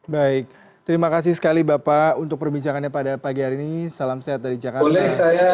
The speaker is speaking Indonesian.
baik terima kasih sekali bapak untuk perbincangannya pada pagi hari ini salam sehat dari jakarta